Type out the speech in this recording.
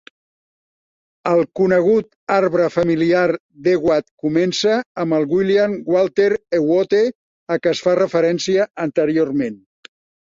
El conegut arbre familiar d'Evatt comença amb el William Walter Euote a què es fa referència anteriorment.